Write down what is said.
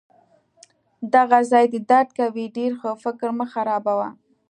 دغه ځای دي درد کوي؟ ډیر ښه! فکر مه خرابوه.